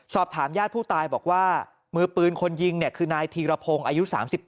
สอบถามญาติผู้ตายบอกว่ามือปืนคนยิงเนี่ยคือนายธีรพงศ์อายุ๓๘